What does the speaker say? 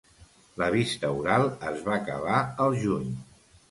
La vista oral es va acabar al juny.